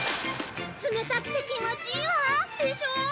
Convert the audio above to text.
冷たくて気持ちいいわ！でしょ？